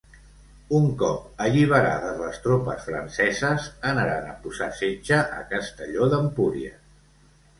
Un cop alliberades les tropes franceses anaren a posar setge a Castelló d'Empúries.